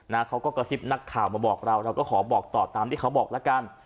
เขาก็กระซิบนักข่าวมาบอกเราเราก็ขอบอกต่อตามที่เขาบอกแล้วกัน